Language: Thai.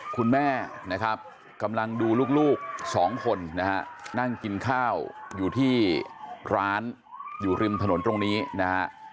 คุณแม่นะครับกำลังดูลูกสองคนนะฮะนั่งกินข้าวอยู่ที่ร้านอยู่ริมถนนตรงนี้นะฮะ